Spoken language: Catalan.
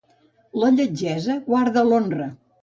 La lletgesa guarda l'honra.